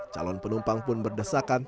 calon penumpang pun berdesakan